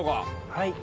はい。